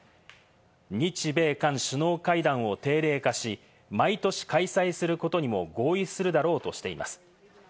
日米韓首脳会談を定例化し、毎年開催することにも合意するだろうとしています。